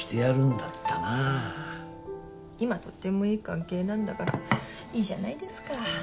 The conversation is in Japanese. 今とってもいい関係なんだからいいじゃないですか。